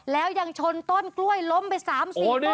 แล้วยังชนต้นกล้วยล้มไป๓๔เมตร